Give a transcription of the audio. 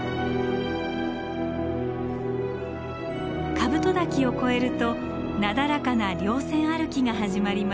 カブト嶽を越えるとなだらかな稜線歩きが始まります。